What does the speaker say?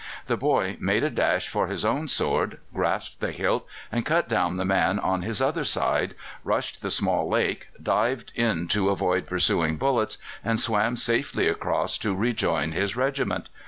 The boy made a dash for his own sword, grasped the hilt and cut down the man on his other side, rushed for the small lake, dived to avoid pursuing bullets, and swam safely across to rejoin his regiment.